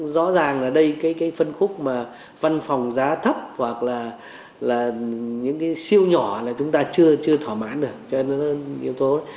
rõ ràng là đây cái phân khúc mà văn phòng giá thấp hoặc là những cái siêu nhỏ là chúng ta chưa thỏa mãn được